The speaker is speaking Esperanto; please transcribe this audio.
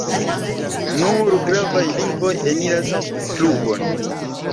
Nur gravaj lingvoj eniras la klubon.